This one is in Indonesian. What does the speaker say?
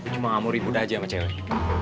cuma ngamur ibadah aja sama cewek